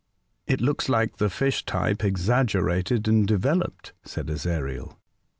'*'' It looks like the fish type exaggerated and developed," said Ezariel.